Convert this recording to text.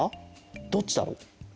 どっちだろう？